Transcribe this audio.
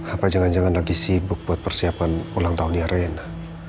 apa jangan jangan lagi sibuk buat persiapan ulang tahun di arena